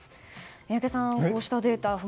宮家さん、こうしたデータ。